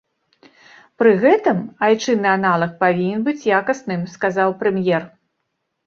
Пры гэтым айчынны аналаг павінен быць якасным, сказаў прэм'ер.